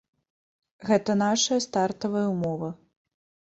Гэта нашая стартавая ўмова.